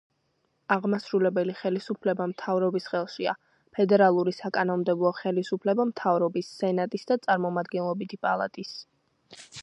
აღმასრულებელი ხელისუფლება მთავრობის ხელშია, ფედერალური საკანონმდებლო ხელისუფლება მთავრობის, სენატის და წარმომადგენლობითი პალატის.